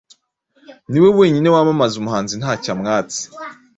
Niwe wenyine wamamaza umuhanzi ntacyo amwatse